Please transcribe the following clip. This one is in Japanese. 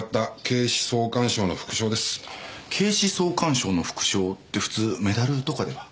警視総監賞の副賞って普通メダルとかでは。